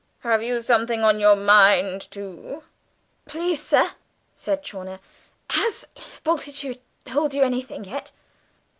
Have you something on your mind, too?" "Please, sir," said Chawner, "has Bultitude told you anything yet?"